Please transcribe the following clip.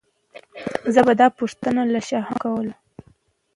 زه به دا پوښتنه له شاهانو کوله.